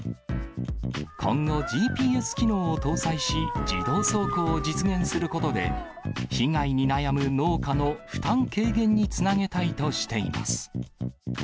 今後、ＧＰＳ機能を搭載し、自動走行を実現することで、被害に悩む農家の負担軽減につなげたいとしています。